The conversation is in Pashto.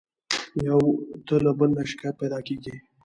يو ته له بل نه شکايت پيدا کېږي.